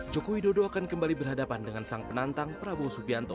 jokowi dodo akan kembali berhadapan dengan sang penantang prabowo subianto